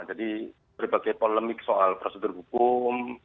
jadi berbagai polemik soal prosedur hukum